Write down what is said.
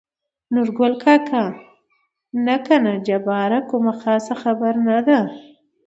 نورګل کاکا: نه کنه جباره کومه خاصه خبره نه ده.